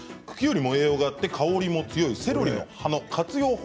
茎よりも栄養があって香りも強いセロリの葉の活用